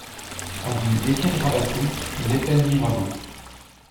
Avenue Etienne Rabattu, Les Pennes-Mirabeau